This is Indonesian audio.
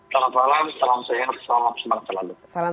selamat malam selamat siang selamat malam selamat malam